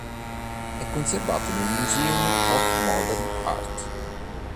È conservato nel Museum of Modern Art.